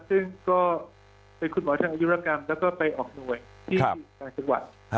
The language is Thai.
ซึ่งก็เป็นคุณหมอทางยุรกรรมแล้วก็ไปออกหน่วยที่ต่างจังหวัด